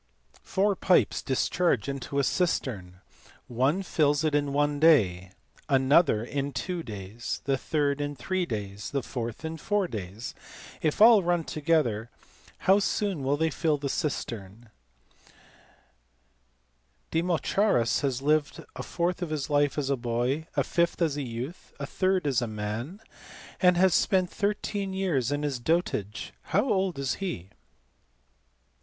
" Four pipes discharge into a cistern : one fills it in one day ; another in two days ; the third in three days ; the fourth in four days : if all run together how soon will they fill the cistern]" "Demochares has lived a fourth of his life as a boy; a fifth as a youth ; a third as a man ; and has spent thirteen years in his dotage : how old is he